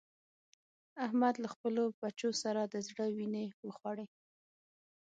احمد له خپلو بچو سره د زړه وينې وخوړې.